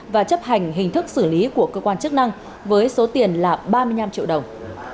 và chấp hành hình thức xử lý của cơ quan chức năng với số tiền là ba mươi năm triệu đồng